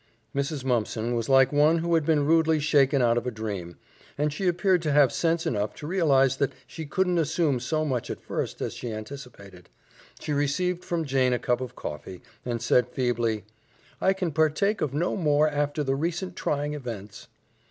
Mrs. Mumpson was like one who had been rudely shaken out of a dream, and she appeared to have sense enough to realize that she couldn't assume so much at first as she anticipated. She received from Jane a cup of coffee, and said feebly, "I can partake of no more after the recent trying events."